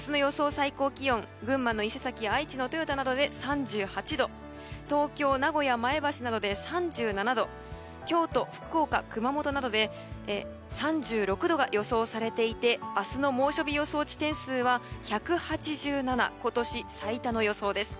最高気温群馬の伊勢崎や愛知の豊田などで３８度東京、名古屋、前橋などで３７度京都、福岡、熊本などで３６度が予想されていて明日の猛暑日予想地点数は１８７今年最多の予想です。